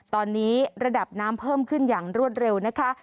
ตอนนี้ระดับน้ำเพิ่มขึ้นอย่างรวดเร็วนะคะ